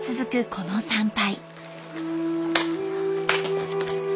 この参拝。